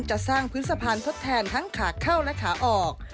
จะสร้างพื้นสะพานทดแทนทั้งขาเข้าและขาออก